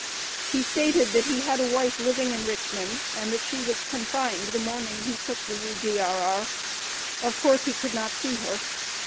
He stated that he had a wife living in Richmond, and that she was confined the morning he took the U.G.R.R. Of course he could not see her.